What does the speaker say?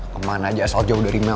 ke mana aja asal jauh dari mel